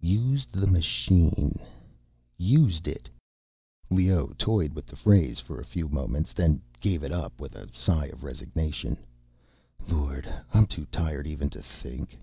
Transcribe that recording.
Used the machine ... used it ... Leoh toyed with the phrase for a few moments, then gave it up with a sigh of resignation. _Lord, I'm too tired even to think.